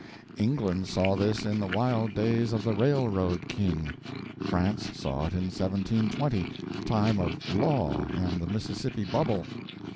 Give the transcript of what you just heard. England saw this in the wild days of the Railroad King; France saw it in 1720 time of Law and the Mississippi Bubble.